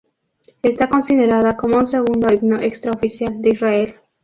Está considerada como un segundo himno extraoficial de Israel.